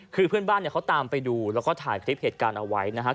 คือเพื่อนบ้านเนี่ยเขาตามไปดูแล้วก็ถ่ายคลิปเหตุการณ์เอาไว้นะครับ